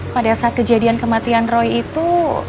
pada saat kejadian kematian roy itu